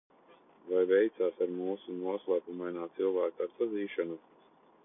Vai veicās ar mūsu noslēpumainā cilvēka atpazīšanu?